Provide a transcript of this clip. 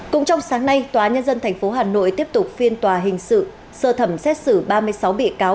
cũng trong sáng nay tòa nhân dân tp hà nội tiếp tục phiên tòa hình sự sơ thẩm xét xử ba mươi sáu bị cáo